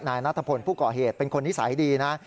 นายนัทพลผู้ก่อเหตุเป็นคนนิสัยดีนะ